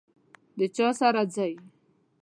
د چا سره ځئ؟